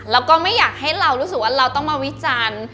แล้วก็ไม่อยากให้เรารู้สึกว่าเราต้องมาวิจารณ์